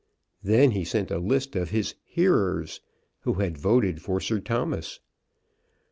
Then he sent a list of his "hearers," who had voted for Sir Thomas.